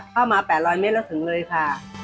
เข้ามา๘๐๐เมตรแล้วถึงเลยค่ะ